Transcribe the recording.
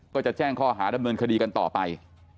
ก็จะแจ้งข้อหาดำเนินคดีกันต่อไป